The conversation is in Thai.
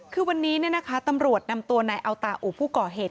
คือวันนี้เนี่ยนะคะตำรวจนำตัวนายเอาตาอุภูกรเหตุ